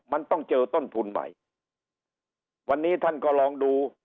มันต้องเจอต้นทุนใหม่วันนี้ท่านก็ลองดู